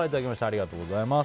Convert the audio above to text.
ありがとうございます。